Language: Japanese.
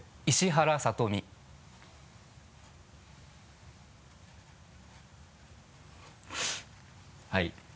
「石原さとみ」はい。